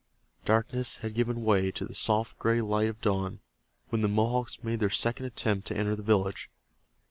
Darkness had given way to the soft gray light of dawn when the Mohawks made their second attempt to enter the village.